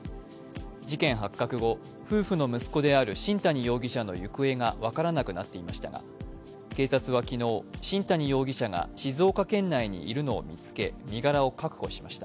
事件発覚後、夫婦の息子である新谷容疑者の行方が分からなくなっていましたが警察は昨日、新谷容疑者が静岡県内にいるのを見つけ、身柄を確保しました。